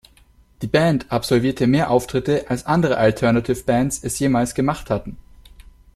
Die Band absolvierte mehr Auftritte als andere Alternative Bands es jemals gemacht hatten.